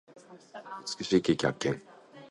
美味しいケーキ発見。